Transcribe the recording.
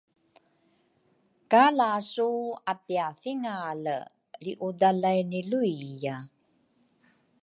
ka lasu apiathingale lriudalaini luiya.